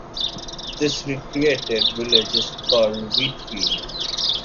This recreated village is called Wheatfield.